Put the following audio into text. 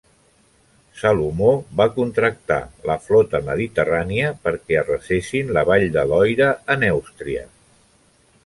Salomó va contractar la flota mediterrània perquè arrasessin la vall de Loira a Nèustria.